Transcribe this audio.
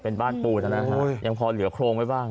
เป็นบ้านปูนนะฮะยังพอเหลือโครงไว้บ้าง